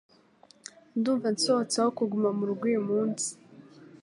Ndumva nsohotse aho kuguma murugo uyu munsi.